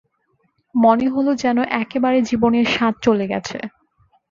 মনে হল যেন একেবারে জীবনের স্বাদ চলে গেছে।